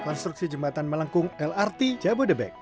konstruksi jembatan melengkung lrt jabodebek